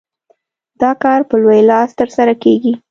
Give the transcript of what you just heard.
دا کار په لوی لاس ترسره کېږي.